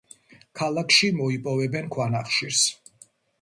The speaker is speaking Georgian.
ქალაქში მოიპოვებენ ქვანახშირს.